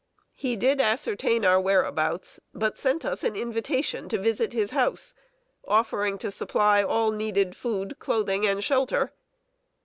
He did ascertain our whereabouts, but sent us an invitation to visit his house, offering to supply all needed food, clothing, and shelter.